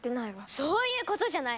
そういうことじゃない！